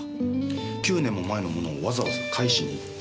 ９年も前のものをわざわざ返しに行った？